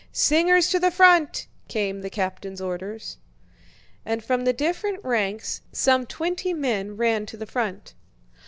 "Singers to the front" came the captain's order. And from the different ranks some twenty men ran to the front.